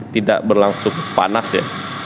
tidak berlangsung panas ya